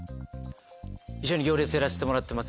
一緒に『行列』やらせてもらってます。